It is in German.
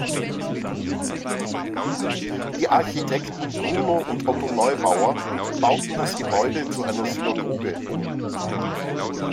Die Architekten Bruno und Otto Neubauer bauten das Gebäude zu einer Synagoge um.